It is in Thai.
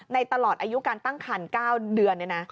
ในตลอดอายุการตั้งครรภ์๙เดือนนี่นะ